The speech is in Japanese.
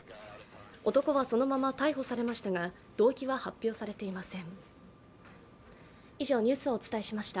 男はそのまま逮捕されましたが動機は発表されていません。